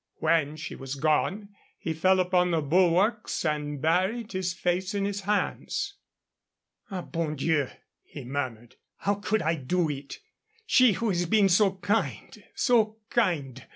When she was gone he fell upon the bulwarks and buried his face in his hands. "Ah, bon Dieu!" he murmured; "how could I do it! She who has been so kind so kind."